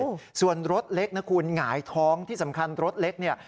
โอ้โหส่วนรถเล็กนะคุณหงายท้องที่สำคัญรถเล็กเนี่ย